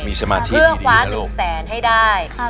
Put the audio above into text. เพิ่งขวาหนึ่งแสนให้ได้